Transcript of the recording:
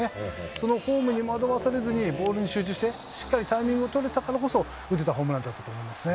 そのホームに惑わさらずに、ボールに集中して、しっかりタイミングを取れたからこそ、打てたホームランだったと思いますね。